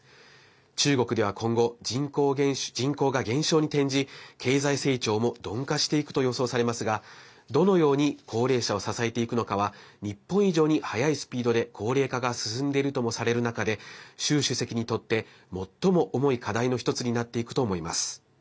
中国では今後、人口が減少に転じ経済成長も鈍化していくと予想されますがどのように高齢者を支えていくのかは日本以上に早いスピードで高齢化が進んでいるともされる中で習主席にとって最も重い課題の一つになっていくと思います。